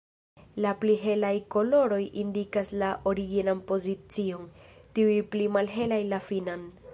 La pli helaj koloroj indikas la originan pozicion, tiuj pli malhelaj la finan.